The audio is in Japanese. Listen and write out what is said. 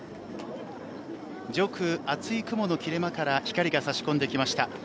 上空厚い雲の切れ間から光が差し込んできました。